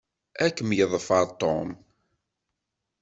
Ad kem-yeḍfer Tom.